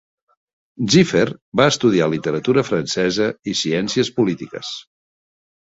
Ziffer va estudiar literatura francesa i ciències polítiques.